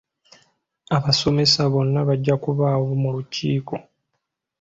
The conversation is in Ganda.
Abasomesa bonna bajja kubaawo mu lukiiko.